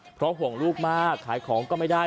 เพราะห่วงลูกมากขายของก็ไม่ได้